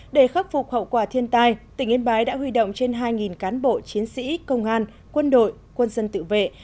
để khắc phục hậu quả thiên tai tỉnh yên bái đã huy động trên hai cán bộ chiến sĩ công an quân đội quân dân tự vệ